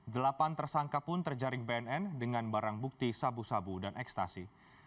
delapan tersangka pun terjaring bnn dengan barang bukti sabu sabu dan ekstasi